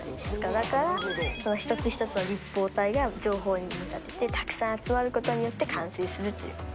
だから、一つ一つの立方体が情報に見立ててたくさん集まることによって完成するという。